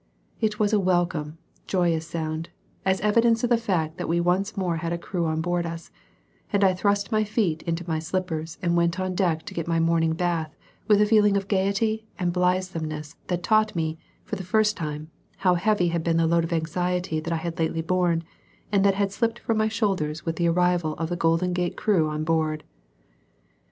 It was a welcome, joyous sound, as evidence of the fact that we once more had a crew on board us; and I thrust my feet into my slippers and went on deck to get my morning bath with a feeling of gaiety and blithesomeness that taught me, for the first time, how heavy had been the load of anxiety that I had lately borne, and that had slipped from my shoulders with the arrival of the Golden Gates crew on board.